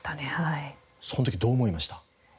その時どう思いました？